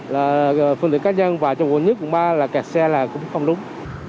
là phương tiện cá nhân vào trong quận một quận ba là cạt xe là cũng không đúng